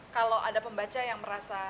kalau ada pembaca yang merasa